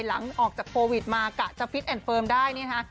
หลังจากโควิดมากะจะฟิตแอนดเฟิร์มได้เนี่ยนะคะ